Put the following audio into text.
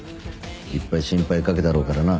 いっぱい心配かけたろうからな。